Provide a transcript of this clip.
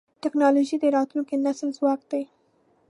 ټکنالوجي د راتلونکي نسل ځواک دی.